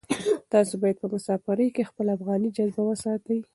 تاسو باید په مسافرۍ کې خپله افغاني جذبه وساتئ.